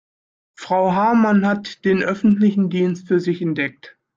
Frau Hamann hat den öffentlichen Dienst für sich entdeckt.